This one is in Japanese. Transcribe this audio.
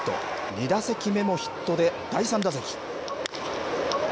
２打席目もヒットで、第３打席。